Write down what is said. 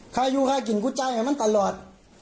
ขายูขายกินกูจารให้มันตลอด